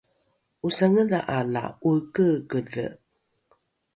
’osangedha’a la ’oekeekedhe